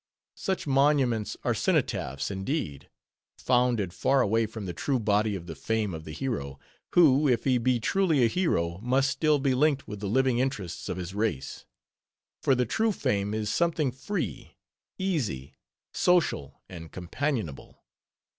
Such monuments are cenotaphs indeed; founded far away from the true body of the fame of the hero; who, if he be truly a hero, must still be linked with the living interests of his race; for the true fame is something free, easy, social, and companionable.